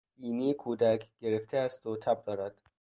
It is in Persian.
بینی کودک گرفته است و تب دارد.